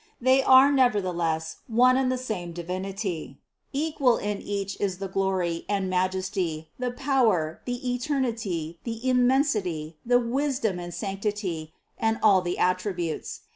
They are nevertheless one and the same Divinity, equal in Each is the glory, and majesty, the power, the eternity, the immensity, the wisdom and sanc tity, and all the attributes.